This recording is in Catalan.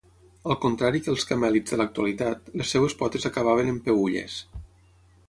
Al contrari que els camèlids de l'actualitat, les seves potes acabaven en peülles.